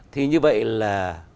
thì như vậy là